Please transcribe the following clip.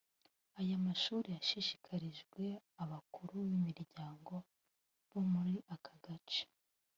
Aya mashuri yashyikirijwe abakuru b’imiryango bo muri aka gace